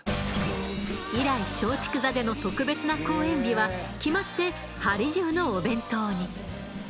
以来松竹座での特別な公演日は決まって「はり重」のお弁当に。